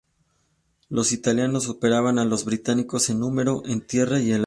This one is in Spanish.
Los italianos superaban a los británicos en número, en tierra y aire.